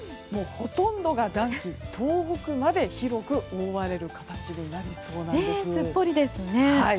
ほとんどが暖気、東北まで広く覆われる形になりそうです。